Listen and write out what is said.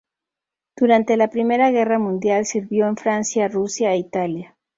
Durante la I Guerra Mundial sirvió en Francia, Rusia e Italia.